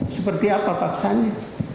seperti apa paksanya